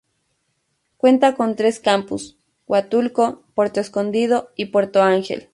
Cuenta con tres campus: Huatulco, Puerto Escondido y Puerto Angel.